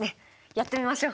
やってみましょう。